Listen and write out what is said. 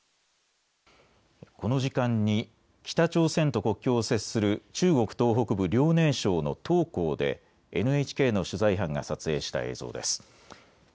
この時間に北朝鮮と国境を接する中国・東北部遼寧省の東港でＮＨＫの取材班が撮影した映像です。